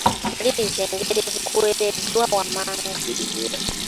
Maliriza engero ezikuweereddwa wammanga.